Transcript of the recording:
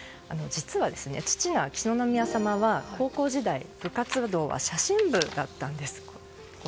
実は父・秋篠宮さまは高校時代の部活動は写真部だったんです。